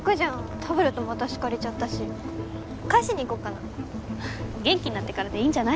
タブレットも私借りちゃったし返しに行こっかな元気になってからでいいんじゃない？